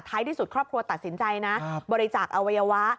ที่สุดครอบครัวตัดสินใจนะบริจาคอวัยวะ